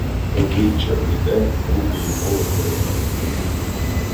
Обличчя бліде, руки і голос дрижать.